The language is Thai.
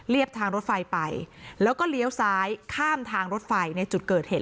ทางรถไฟไปแล้วก็เลี้ยวซ้ายข้ามทางรถไฟในจุดเกิดเหตุ